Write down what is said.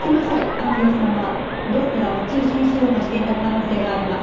秋生さんはレストランを中止にしようとしていた可能性があります。